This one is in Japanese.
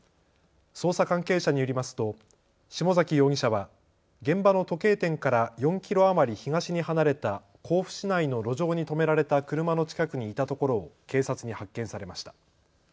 捜査関係者によりますと下崎容疑者は現場の時計店から４キロ余り東に離れた甲府市内の路上に止められた車の近くにいたところを警察に発見されました。